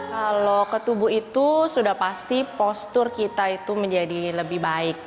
kalau ke tubuh itu sudah pasti postur kita itu menjadi lebih baik